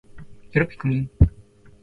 よろぴくみん